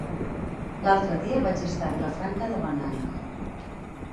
L'altre dia vaig estar a Vilafranca de Bonany.